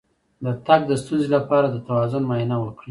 د تګ د ستونزې لپاره د توازن معاینه وکړئ